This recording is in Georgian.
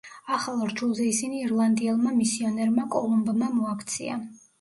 ახალ რჯულზე ისინი ირლანდიელმა მისიონერმა კოლუმბმა მოაქცია.